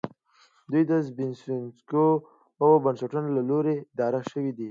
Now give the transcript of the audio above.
دوی د زبېښونکو بنسټونو له لوري اداره شوې دي